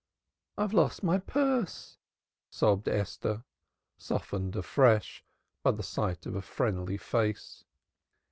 "I've lost my purse," sobbed Esther, softened afresh by the sight of a friendly face.